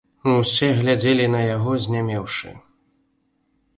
Усе глядзелі на яго знямеўшы.